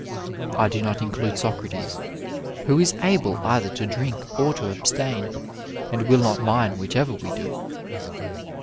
(I do not include Socrates, who is able either to drink or to abstain, and will not mind, which ever we do.)